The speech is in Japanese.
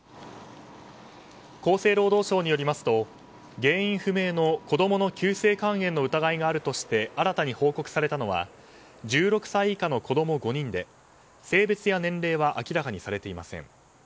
厚生労働省によりますと原因不明の子供の急性肺炎の疑いがあるとして新たに報告されたのは１６歳以下の子供５人で性別や年齢は明らかにされていません。